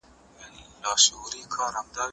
زه پرون قلم استعمالوموم وم!.